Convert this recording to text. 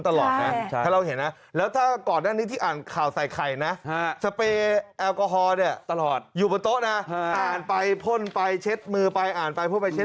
ตรงรองขาวใส่ใครใครจะมาแทน